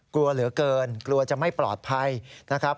กลัวเหลือเกินกลัวจะไม่ปลอดภัยนะครับ